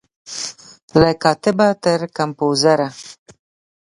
له کاتبه تر کمپوزره